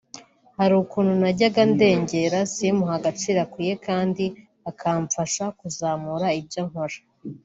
hari ukuntu najyaga ndengera simuhe agaciro akwiye kandi akamfasha kuzamura ibyo nkora”